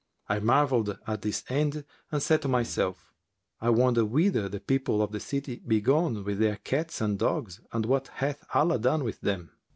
I marvelled at this end and said to myself, 'I wonder whither the people of the city be gone with their cats and dogs and what hath Allah done with them?'